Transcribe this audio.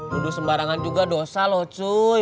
duduk sembarangan juga dosa loh cuy